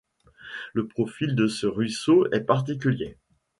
Le profil de ce ruisseau est particulier.